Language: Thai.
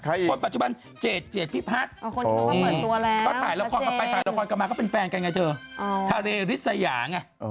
คนปัจจุบันเจ็ดพี่พัชถ่ายละครกลับมาเป็นแฟนกันไงเธอทาเลริสยาไง